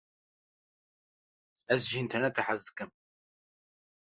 Ez ji înternetê hez dikim.